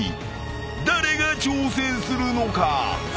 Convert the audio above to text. ［誰が挑戦するのか？］